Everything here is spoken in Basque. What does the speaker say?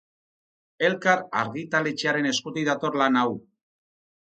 Elkar argitaletxearen eskutik dator lan hau.